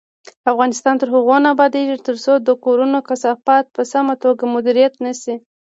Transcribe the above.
افغانستان تر هغو نه ابادیږي، ترڅو د کورونو کثافات په سمه توګه مدیریت نشي.